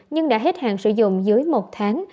nhưng đã hết hạn sử dụng dưới một tháng